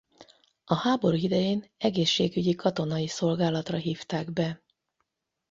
A háború idején egészségügyi katonai szolgálatra hívták be.